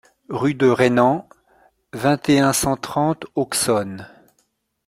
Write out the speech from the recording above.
Rue de Rainans, vingt et un, cent trente Auxonne